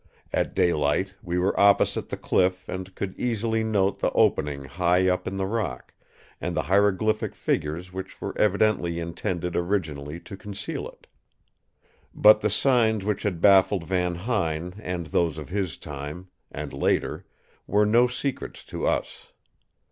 At daylight we were opposite the cliff and could easily note the opening high up in the rock, and the hieroglyphic figures which were evidently intended originally to conceal it. "But the signs which had baffled Van Huyn and those of his time—and later, were no secrets to us.